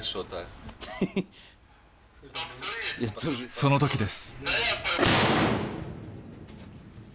その時です。